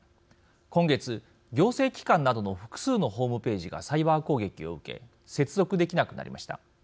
今月、行政機関などの複数のホームページがサイバー攻撃を受け接続できなくなりました。